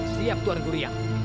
siap tuan gurian